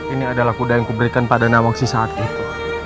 ini adalah kuda yang kuberikan pada nawaksi saat itu